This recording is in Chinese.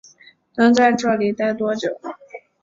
能在这里待多久